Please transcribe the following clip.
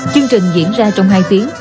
chương trình diễn ra trong hai tiếng